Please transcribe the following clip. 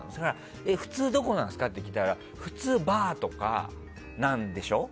普通どこなんですか？って聞いたら普通バーとかなんでしょ？